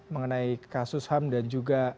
mengenai kasus ham dan juga